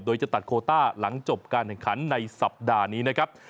โดยจะตัดโคต้าหลังจบการแข่งขันในสัปดาห์นี้นะครับ